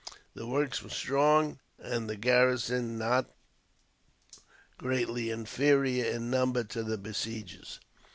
The works were strong, and the garrison not greatly inferior in number to the besiegers.